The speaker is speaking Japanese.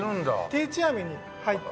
定置網に入った。